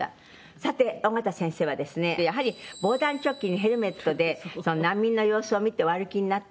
さて緒方先生はですねやはり防弾チョッキにヘルメットで難民の様子を見てお歩きになったっていう。